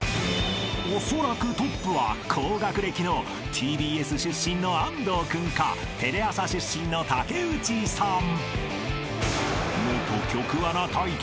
［おそらくトップは高学歴のＴＢＳ出身の安東君かテレ朝出身の竹内さん］